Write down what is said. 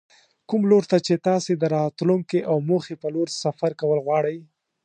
کوم لور ته چې تاسې د راتلونکې او موخې په لور سفر کول غواړئ.